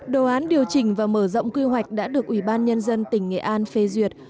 đồ án điều chỉnh và mở rộng quy hoạch đã được ủy ban nhân dân tỉnh nghệ an phê duyệt